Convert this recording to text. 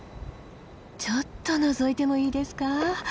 ちょっとのぞいてもいいですか？